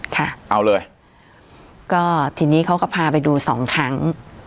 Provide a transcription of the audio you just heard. ค่ะเอาเลยก็ทีนี้เขาก็พาไปดูสองครั้ง